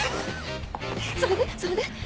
それでそれで？